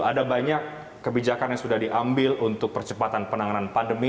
ada banyak kebijakan yang sudah diambil untuk percepatan penanganan pandemi